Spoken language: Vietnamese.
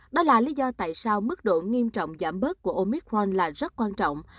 đó là lý do tại sao mức độ nghiêm trọng giảm bớt của omicron là rất quan trọng